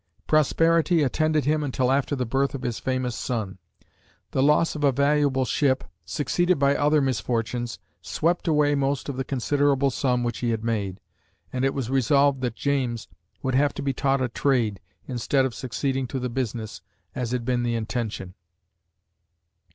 Prosperity attended him until after the birth of his famous son. The loss of a valuable ship, succeeded by other misfortunes, swept away most of the considerable sum which he had made, and it was resolved that James would have to be taught a trade, instead of succeeding to the business, as had been the intention.